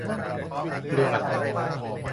เรื่องอะไร